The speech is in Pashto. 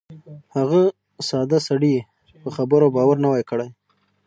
هغه ساده سړي یې په خبرو باور نه وای کړی.